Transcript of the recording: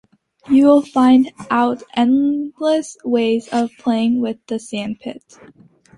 You will find out endless ways of playing with the sand-pit.